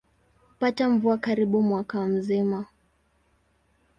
Hupata mvua karibu mwaka mzima.